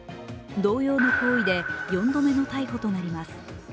同様の行為で４度目の逮捕となります。